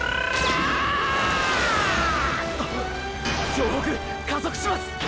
総北加速します！！